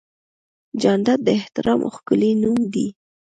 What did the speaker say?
جانداد د احترام ښکلی نوم دی.